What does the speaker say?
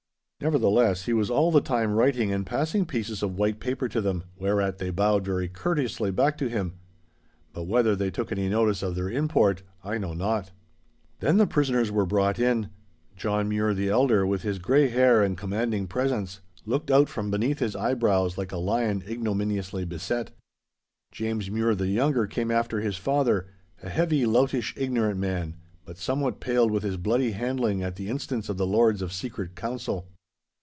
Nevertheless he was all the time writing and passing pieces of white paper to them, whereat they bowed very courteously back to him. But whether they took any notice of their import I know not. Then the prisoners were brought in. John Mure the elder, with his grey hair and commanding presence, looked out of from beneath his eyebrows like a lion ignominiously beset. James Mure the younger came after his father, a heavy, loutish, ignorant man, but somewhat paled with his bloody handling at the instance of the Lords of Secret Council.